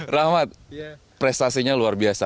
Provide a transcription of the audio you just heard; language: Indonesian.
rahmat prestasinya luar biasa